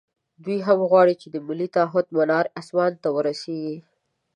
دوی هم غواړي چې د ملي تعهُد منار اسمان ته ورسېږي.